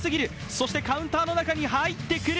そしてカウンターの中に入ってくる。